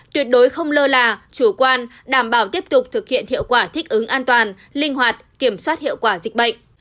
tuyệt đối không lơ là chủ quan đảm bảo tiếp tục thực hiện hiệu quả thích ứng an toàn linh hoạt kiểm soát hiệu quả dịch bệnh